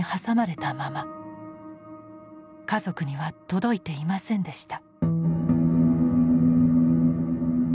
家族には届いていませんでした。